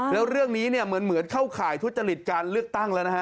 แล้วเรื่องนี้เนี่ยเหมือนเข้าข่ายทุจริตการเลือกตั้งแล้วนะฮะ